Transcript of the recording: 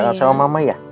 kangen sama mama ya